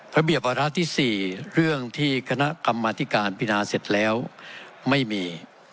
ระเบียบวาระที่๔เรื่องที่คณะกรรมธิการพินาเสร็จแล้วไม่มี